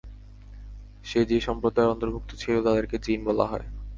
সে যে সম্প্রদায়ের অন্তর্ভুক্ত ছিল তাদেরকে জিন বলা হয়।